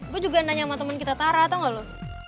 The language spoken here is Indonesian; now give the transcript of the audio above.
gue juga nanya sama temen kita tara tau gak lo